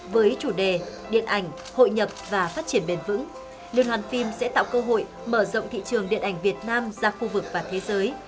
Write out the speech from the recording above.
với chủ đề điện ảnh hội nhập và phát triển bền vững liên hoàn phim sẽ tạo cơ hội mở rộng thị trường điện ảnh việt nam ra khu vực và thế giới